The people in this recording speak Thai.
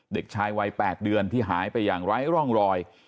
เด็กชายวัย๘เดือนที่หายไปอย่างไร้ร่องรอย